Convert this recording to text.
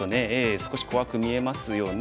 少し怖く見えますよね。